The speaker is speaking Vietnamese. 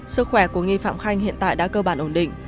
sức khỏe của nghi phạm khanh hiện tại đã cơ bản ổn định